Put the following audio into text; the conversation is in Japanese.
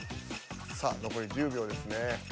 さあ残り１０秒ですね。